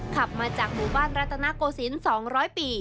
ขับมาจากหมู่บ้านรัตนโกศิลป์๒๐๐ปี